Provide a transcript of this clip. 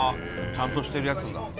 ちゃんとしてるやつだ。